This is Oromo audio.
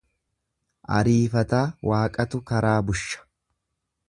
Ariifataa Waaqatu karaa busha.